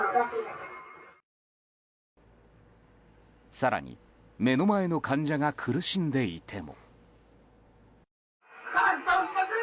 更に、目の前の患者が苦しんでいても。